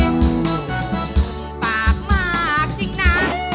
ปากมากจริงนะ